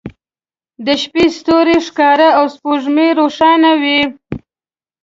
د شپې ستوری ښکاري او سپوږمۍ روښانه وي